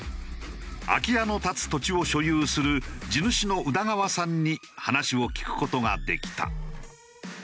空き家の立つ土地を所有する地主の宇田川さんに話を聞く事ができた。